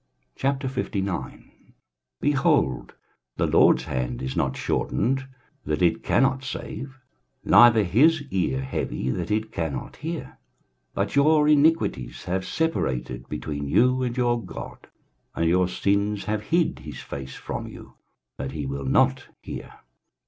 23:059:001 Behold, the LORD's hand is not shortened, that it cannot save; neither his ear heavy, that it cannot hear: 23:059:002 But your iniquities have separated between you and your God, and your sins have hid his face from you, that he will not hear.